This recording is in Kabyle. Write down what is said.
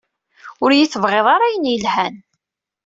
Ur yi-tebɣi ara ayen yelhan